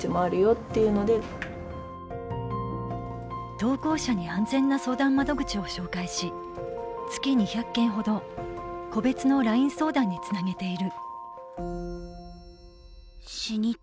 投稿者に安全な相談窓口を紹介し月２００件ほど個別のＬＩＮＥ相談につなげている。